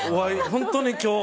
本当に今日。